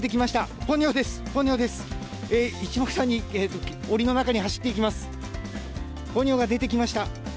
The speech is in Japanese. ポニョが出てきました。